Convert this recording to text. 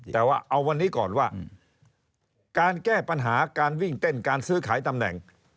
แต่ว่าเอาวันนี้ก่อนว่าการแก้ปัญหาการวิ่งเต้นการซื้อขายตำแหน่ง